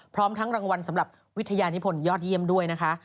พร้อมทั้งรางวัลสำหรับวิทยานิพลยอดเยี่ยมด้วยนะคะ